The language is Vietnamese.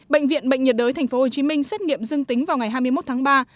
bệnh viện bệnh nhiệt đới tp hcm xét nghiệm dương tính vào ngày hai mươi một tháng ba